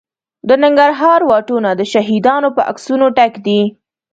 د ننګرهار واټونه د شهیدانو په عکسونو ډک دي.